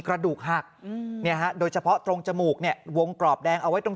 กระดูกหักโดยเฉพาะตรงจมูกเนี่ยวงกรอบแดงเอาไว้ตรง